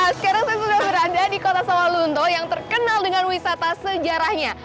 sekarang saya sudah berada di kota sawalunto yang terkenal dengan wisata sejarahnya